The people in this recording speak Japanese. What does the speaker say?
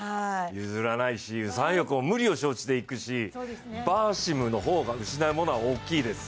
譲らないし、ウ・サンヒョクも無理を承知でいくしバーシムの方が失うものは大きいです。